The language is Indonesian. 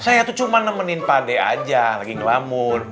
saya tuh cuma nemenin pak ade aja lagi ngelamun